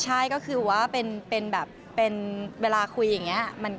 ใช่ก็คือว่าเป็นเวลาคุยอย่างนี้